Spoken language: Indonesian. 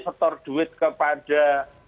setor duit kepada